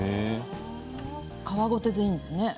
殻ごとでいいんですね。